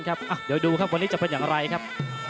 เดี๋ยวดูครับวันนี้จะเป็นอย่างไรครับ